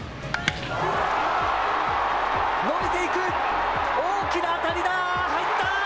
伸びていく、大きな当たりだ、入った！